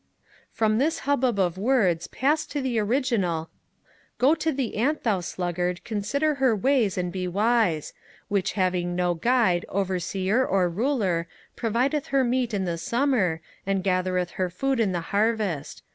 From this hubbub of words pass to the original 'Go to the Ant, thou Sluggard, consider her ways, and be wise: which having no guide, overseer, or ruler, provideth her meat in the summer, and gathereth her food in the harvest.